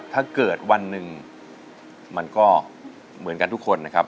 ถ้าเกิดวันหนึ่งมันก็เหมือนกันทุกคนนะครับ